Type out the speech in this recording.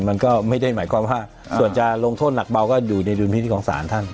มันก็ไม่ได้หมายความว่าส่วนจะลงโทษหนักเบาก็อยู่ในดุลพินิษฐของศาลท่าน